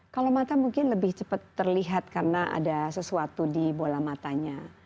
kalau mata mungkin lebih cepat terlihat karena ada sesuatu di bola matanya